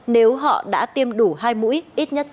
nếu họ đã tiêm đủ hai mũi ít nhất sáu tháng